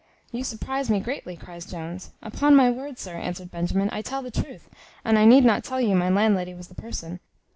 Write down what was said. "You surprize me greatly," cries Jones. "Upon my word, sir," answered Benjamin, "I tell the truth, and I need not tell you my landlady was the person.